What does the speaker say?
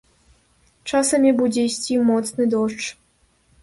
Часамі будзе ісці моцны дождж.